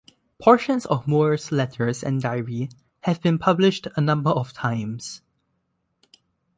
Portions of Moore's letters and diary have been published a number of times.